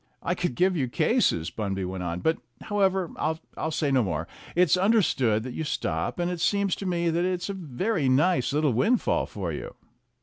"I could give you cases," Bunby went on, "but, however, I'll say no more. It's understood that you stop, and it seems to me that it's a very nice little windfall for you."